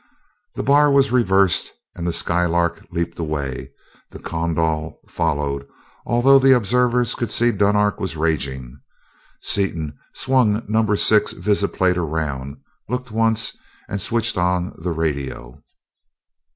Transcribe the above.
The bar was reversed and the Skylark leaped away. The Kondal followed, although the observers could see that Dunark was raging. Seaton swung number six visiplate around, looked once, and switched on the radio.